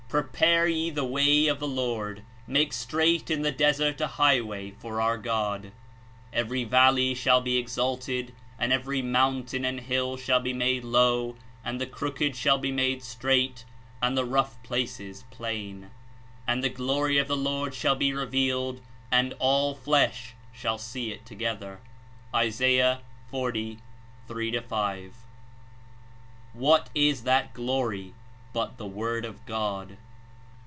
''Prepare ye the zvay of the LoRD, juakc straight in the desert a highway for our God." "Every valley shall be exalted, and every mountain and hill shall be made lozv, and the crooked shall be made straight, and the rough places plain/' 3fi ''And the glcry of the Lord shall be revealed, and all flesh shall see it together J' (Is. 40. 3 5.) What Is that Glory but the Word of God?